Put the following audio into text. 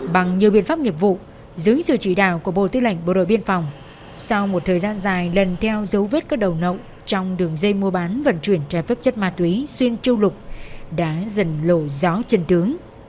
bằng nhiều biện pháp nghiệp vụ dưới sự chỉ đạo của bộ tư lệnh bộ đội biên phòng sau một thời gian dài lần theo dấu vết các đầu nậu trong đường dây mua bán vận chuyển trái phép chất ma túy xuyên châu lục đã dần lộ gió chân tướng